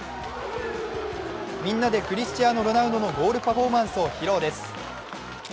みんなでクリスチアーノ・ロナウドのゴールパフォーマンスを披露です。